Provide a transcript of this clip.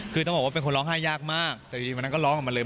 คือต้องบอกว่าเป็นคนร้องไห้ยากมากแต่อยู่ดีวันนั้นก็ร้องออกมาเลย